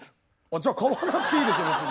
じゃあ買わなくていいでしょ別に！